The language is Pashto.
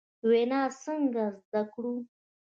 وینا څنګه زدکړو ؟